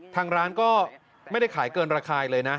ทางร้านก็ไม่ได้ขายเกินราคาเลยนะ